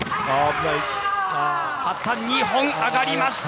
旗が２本上がりました。